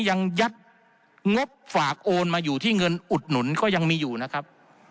ยังยัดงบฝากโอนมาอยู่ที่เงินอุดหนุนก็ยังมีอยู่นะครับ